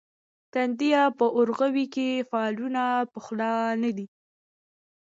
تندیه په اورغوي کې فالونه پخلا نه دي.